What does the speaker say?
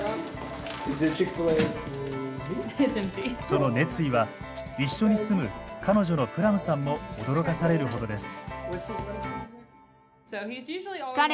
その熱意は一緒に住む彼女のプラムさんも驚かされるほどです。